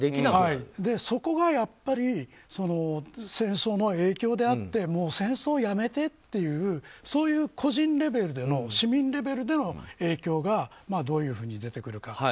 そこがやっぱり戦争の影響であって戦争をやめてというそういう個人レベル市民レベルでの影響がどういうふうに出てくるか。